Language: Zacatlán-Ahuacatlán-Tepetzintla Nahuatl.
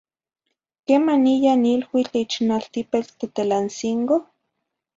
Quemaniya iluitl ich in altipetl Tetelancingo?